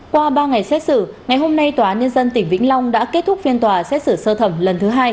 qua ba ngày xét xử ngày hôm nay tòa án nhân dân tỉnh vĩnh long đã kết thúc phiên tòa xét xử sơ thẩm lần thứ hai